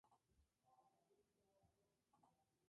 Se ha encontrado asociado a oro puro.